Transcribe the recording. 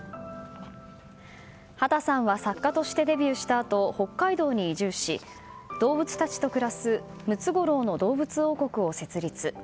畑さんは作家としてデビューしたあと北海道に移住し動物たちと暮らすムツゴロウの動物王国を設立。